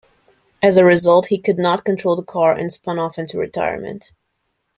As a result, he could not control the car and spun off into retirement.